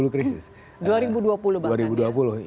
krisis dua ribu dua puluh bahkan ya